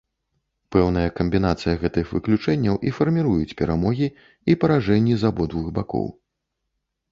Пэўная камбінацыя гэтых выключэнняў і фарміруюць перамогі і паражэнні з абодвух бакоў.